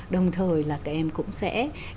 đồng thời là các em cũng sẽ